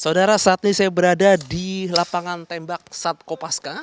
saudara saat ini saya berada di lapangan tembak sat kopaska